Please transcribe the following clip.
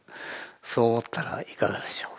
そう思ったらいかがでしょう。